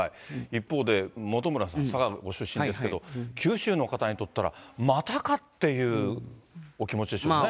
一方で、本村さん、佐賀ご出身ですけれども、九州の方からしたら、またかっていうお気持ちでしょうね。